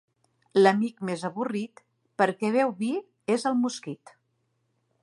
L'amic més avorrit, perquè beu vi, és el mosquit.